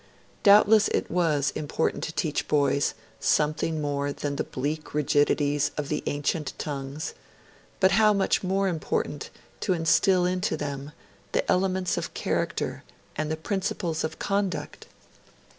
Doubtless it was important to teach boys something more than the bleak rigidities of the ancient tongues; but how much more important to instil into them the elements of character and the principles of conduct!